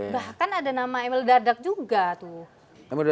bahkan ada nama emil dadak juga tuh